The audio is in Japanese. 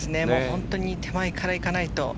本当に手前から行かないと。